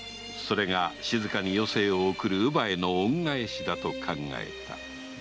それが静かに余生を送る乳母への恩返しだと考えた